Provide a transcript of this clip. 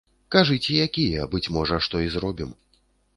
Кажыце якія, быць можа, што і зробім.